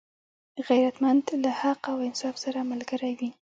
غیرتمند له حق او انصاف سره ملګری وي